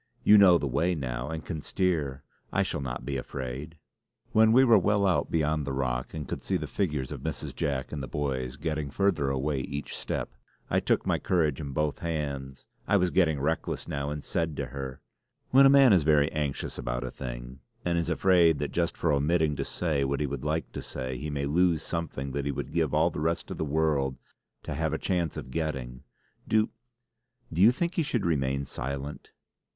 "You know the way now and can steer. I shall not be afraid!" When we were well out beyond the rock and could see the figures of Mrs. Jack and the boys getting further away each step, I took my courage in both hands; I was getting reckless now, and said to her: "When a man is very anxious about a thing, and is afraid that just for omitting to say what he would like to say, he may lose something that he would give all the rest of the world to have a chance of getting do do you think he should remain silent?"